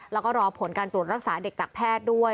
แล้วก็รอผลการตรวจรักษาเด็กจากแพทย์ด้วย